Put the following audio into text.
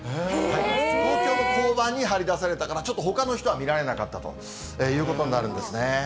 東京の交番に貼り出されたから、ちょっとほかの人は見られなかったということになるんですね。